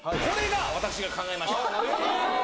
これが私が考えました